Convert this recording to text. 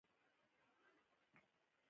کورس د تمرین لپاره مهم دی.